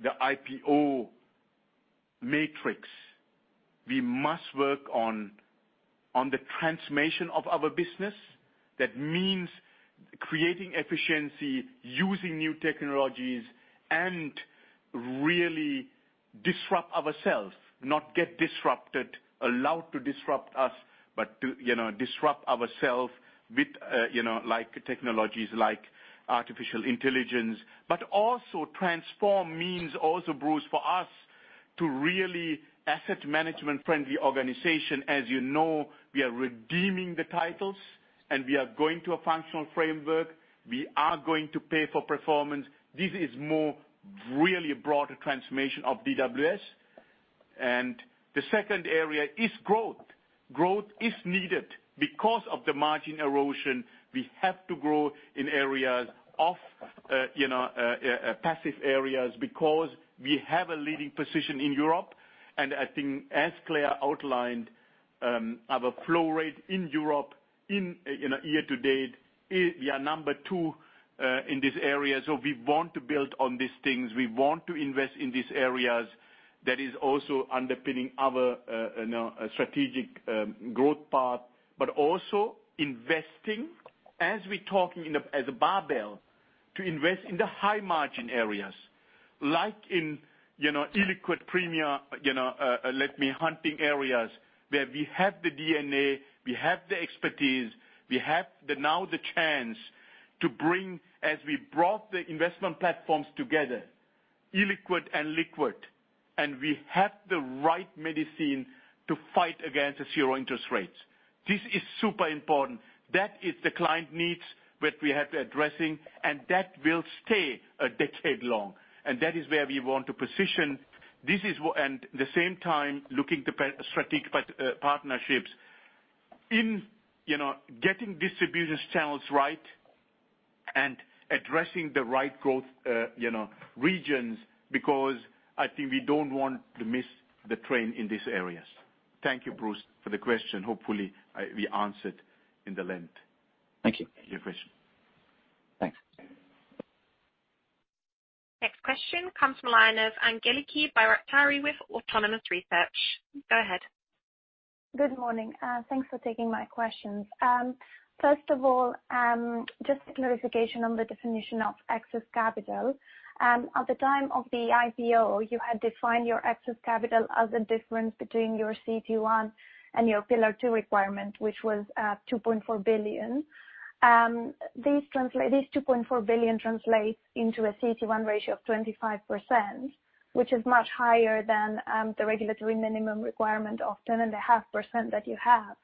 the IPO matrix, we must work on the transformation of our business. That means creating efficiency, using new technologies, and really disrupt ourselves, not get disrupted, allow to disrupt us, but to disrupt ourselves with technologies like artificial intelligence. Also transform means also, Bruce, for us to really asset management-friendly organization. The second area is growth. Growth is needed. Because of the margin erosion, we have to grow in areas of passive areas because we have a leading position in Europe. I think as Claire outlined, our flow rate in Europe in year to date, we are number two in this area. We want to build on these things. We want to invest in these areas that is also underpinning our strategic growth path. Also investing as we talk as a barbell to invest in the high margin areas, like in illiquid premia, hunting areas where we have the DNA, we have the expertise, we have now the chance to bring as we brought the investment platforms together, illiquid and liquid, and we have the right medicine to fight against the zero interest rates. This is super important. That is the client needs that we are addressing, and that will stay a decade long. That is where we want to position. At the same time looking to strategic partnerships in getting distribution channels right and addressing the right growth regions, because I think we don't want to miss the train in these areas. Thank you, Bruce, for the question. Hopefully, we answered at length. Thank you. Your question. Thanks. Next question comes from line of Angeliki Bairaktari with Autonomous Research. Go ahead. Good morning. Thanks for taking my questions. First of all, just a clarification on the definition of excess capital. At the time of the IPO, you had defined your excess capital as a difference between your CET1 and your Pillar 2 requirement, which was 2.4 billion. This 2.4 billion translates into a CET1 ratio of 25%, which is much higher than the regulatory minimum requirement of 10.5% that you have.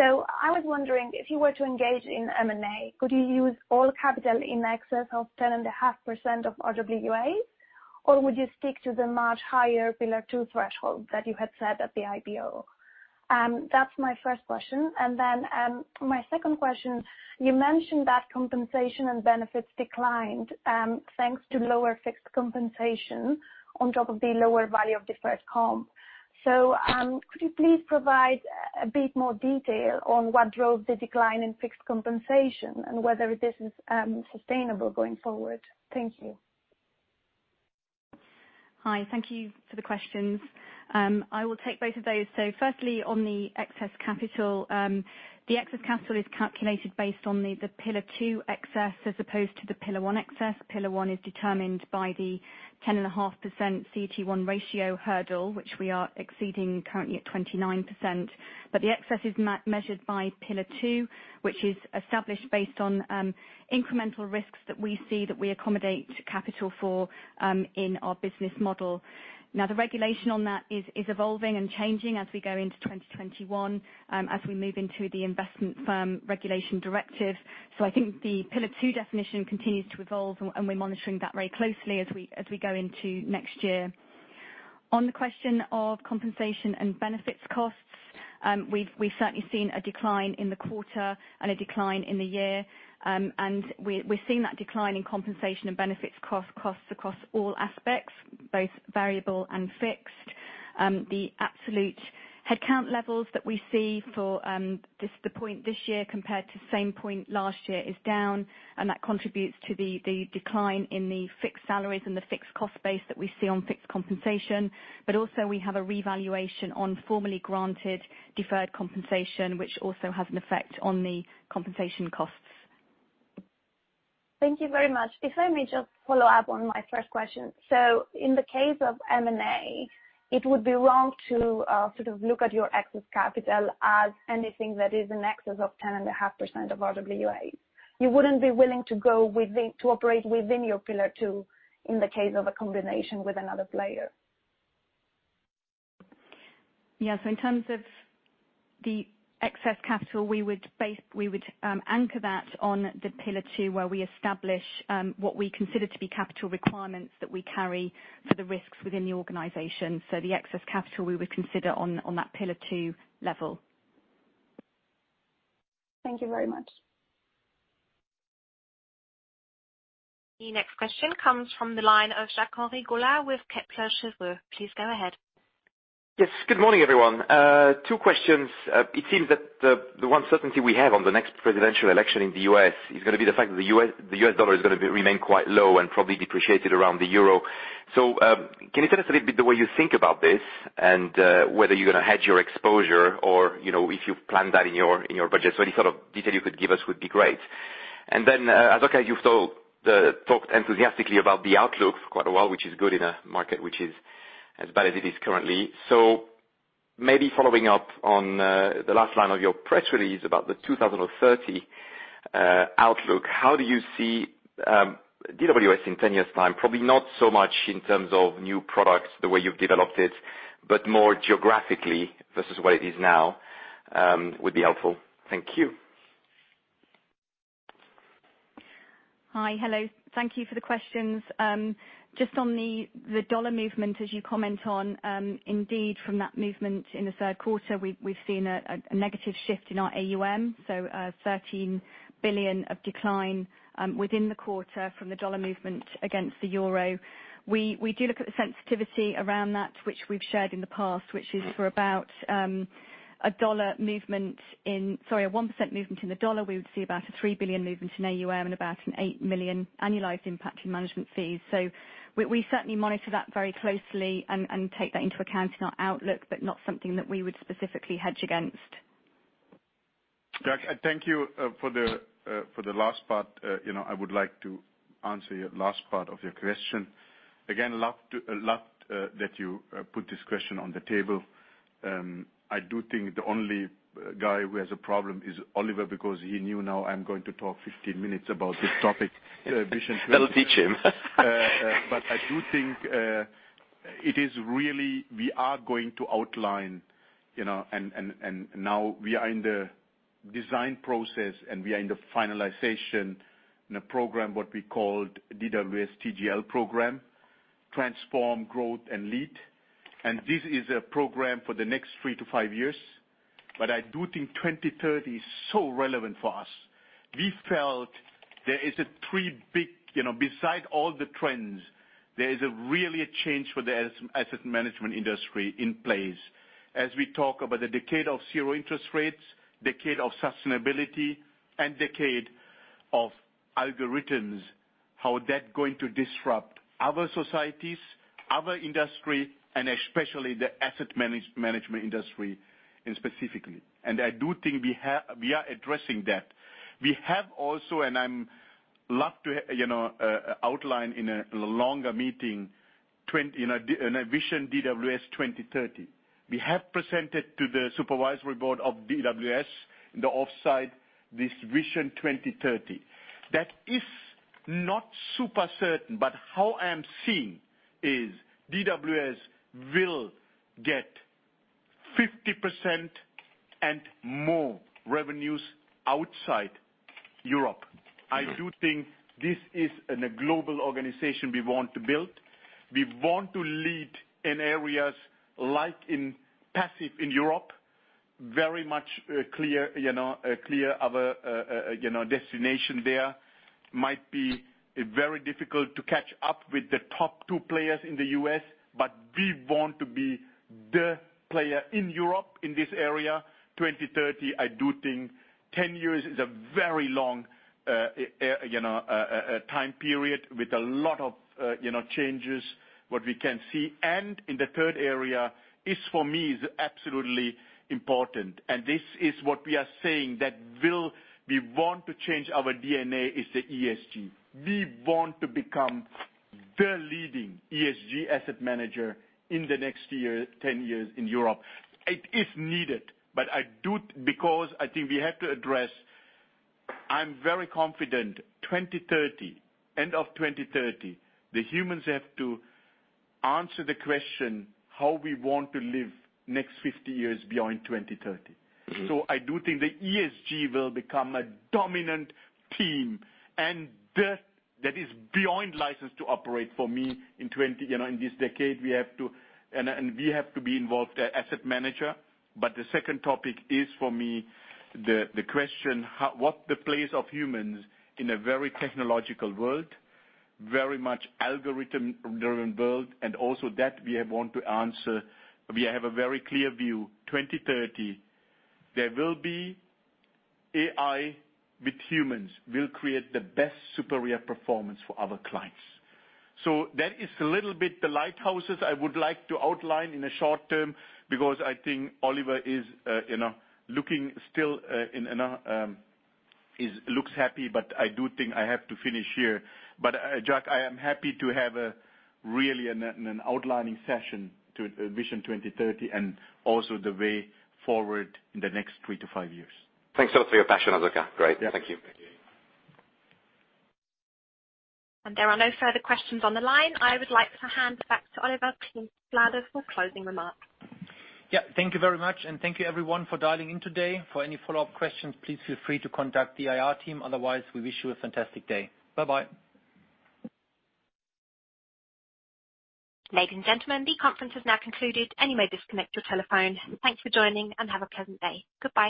I was wondering if you were to engage in M&A, could you use all capital in excess of 10.5% of RWA, or would you stick to the much higher Pillar 2 threshold that you had set at the IPO? That's my first question. My second question, you mentioned that compensation and benefits declined, thanks to lower fixed compensation on top of the lower value of deferred comp. Could you please provide a bit more detail on what drove the decline in fixed compensation and whether this is sustainable going forward? Thank you. Hi, thank you for the questions. I will take both of those. Firstly, on the excess capital. The excess capital is calculated based on the Pillar 2 excess as opposed to the Pillar 1 excess. Pillar 1 is determined by the 10.5% CET1 ratio hurdle, which we are exceeding currently at 29%. The excess is measured by Pillar 2, which is established based on incremental risks that we see that we accommodate capital for in our business model. The regulation on that is evolving and changing as we go into 2021, as we move into the Investment Firms Regulation directive. I think the Pillar 2 definition continues to evolve, and we're monitoring that very closely as we go into next year. On the question of compensation and benefits costs, we've certainly seen a decline in the quarter and a decline in the year. We're seeing that decline in compensation and benefits costs across all aspects, both variable and fixed. The absolute headcount levels that we see for the point this year compared to same point last year is down, and that contributes to the decline in the fixed salaries and the fixed cost base that we see on fixed compensation. Also, we have a revaluation on formerly granted deferred compensation, which also has an effect on the compensation costs. Thank you very much. If I may just follow up on my first question. In the case of M&A, it would be wrong to sort of look at your excess capital as anything that is in excess of 10.5% of RWAs. You wouldn't be willing to operate within your Pillar 2 in the case of a combination with another player? Yeah. In terms of the excess capital, we would anchor that on the Pillar 2, where we establish what we consider to be capital requirements that we carry for the risks within the organization. The excess capital we would consider on that Pillar 2 level. Thank you very much. The next question comes from the line of Jacques-Henri Gaulard with Kepler Cheuvreux. Please go ahead. Yes. Good morning, everyone. Two questions. It seems that the one certainty we have on the next presidential election in the U.S. is going to be the fact that the U.S. dollar is going to remain quite low and probably depreciate against the EUR. Can you tell us a little bit the way you think about this and whether you're going to hedge your exposure or if you plan that in your budget? Any sort of detail you could give us would be great. Asoka, you've talked enthusiastically about the outlook for quite a while, which is good in a market which is as bad as it is currently. Maybe following up on the last line of your press release about the DWS 2030 outlook, how do you see DWS in 10 years' time? Probably not so much in terms of new products the way you've developed it, but more geographically versus what it is now would be helpful. Thank you. Hi. Hello. Thank you for the questions. Just on the U.S. dollar movement as you comment on, indeed from that movement in the third quarter, we've seen a negative shift in our AUM, 13 billion of decline within the quarter from the U.S. dollar movement against the euro. We do look at the sensitivity around that, which we've shared in the past, which is for about a U.S. dollar movement, a 1% movement in the US dollar, we would see about a 3 billion movement in AUM and about an 8 million annualized impact in management fees. We certainly monitor that very closely and take that into account in our outlook, but not something that we would specifically hedge against. Jacques, thank you for the last part. I would like to answer your last part of your question. Love that you put this question on the table. I do think the only guy who has a problem is Oliver, because he knew now I'm going to talk 15 minutes about this topic. That'll teach him. I do think we are going to outline, and now we are in the design process, and we are in the finalization in a program, what we called DWS TGL program, Transform, Growth and Lead. This is a program for the next three to five years. I do think 2030 is so relevant for us. We felt there is three big beside all the trends, there is really a change for the asset management industry in place. We talk about the decade of zero interest rates, decade of sustainability, and decade of algorithms, how that going to disrupt other societies, other industry, and especially the asset management industry specifically. I do think we are addressing that. We have also, and I love to outline in a longer meeting, a vision DWS 2030. We have presented to the supervisory board of DWS in the offsite, this Vision 2030. That is not super certain, how I'm seeing is DWS will get 50% and more revenues outside Europe. I do think this is an global organization we want to build. We want to lead in areas like in passive in Europe. Very much clear of a destination there. Might be very difficult to catch up with the top two players in the U.S., but we want to be the player in Europe in this area, 2030. I do think 10 years is a very long time period with a lot of changes, what we can see. In the third area, is for me, is absolutely important. This is what we are saying that we want to change our DNA is the ESG. We want to become the leading ESG asset manager in the next 10 years in Europe. It is needed, because I think we have to address I'm very confident, 2030, end of 2030, the humans have to answer the question, how we want to live next 50 years beyond 2030. I do think the ESG will become a dominant theme, and that is beyond license to operate for me in this decade. We have to be involved asset manager. The second topic is, for me, the question, what the place of humans in a very technological world, very much algorithm-driven world, and also that we want to answer. We have a very clear view, 2030, there will be AI with humans will create the best superior performance for our clients. That is a little bit the lighthouses I would like to outline in the short term, because I think Oliver looks happy, I do think I have to finish here. Jacques, I am happy to have really an outlining session to Vision 2030 and also the way forward in the next three to five years. Thanks also for your passion, Asoka. Great. Yeah. Thank you. Thank you. There are no further questions on the line. I would like to hand back to Oliver to close out before closing remarks. Yeah. Thank you very much. Thank you everyone for dialing in today. For any follow-up questions, please feel free to contact the IR team. Otherwise, we wish you a fantastic day. Bye-bye. Ladies and gentlemen, the conference has now concluded, and you may disconnect your telephone. Thanks for joining, and have a pleasant day. Goodbye.